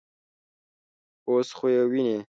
_اوس خو يې وينې.